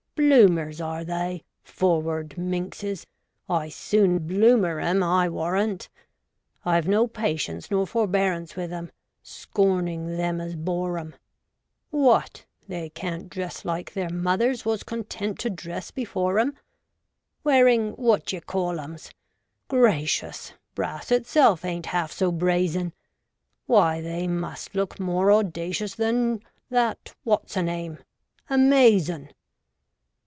' Bloomers ' are they — forward minxes ? 1 soon Bloomer 'em, I warrant. I've no patience nor forbearance with 'em — scornin' them as bore 'em ; What ! they can't dress like their mothers was content to dress before 'em, — Wearing what d'ye call 'ems — Gracious ! brass itself ain't half so brazen ; Why, they must look more audacious than that what's a name — Amkzon